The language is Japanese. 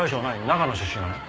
長野出身なの？